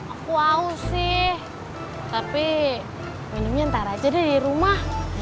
akupau sih tapi minumnya ntar aja deh di rumah